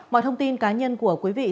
mọi thông tin cá nhân của quý vị